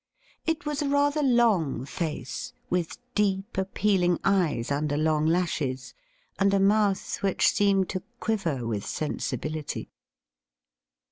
It was a rather long face, with deep, appealing eyes under long lashes, and a mouth which seemed to quiver with sensibility.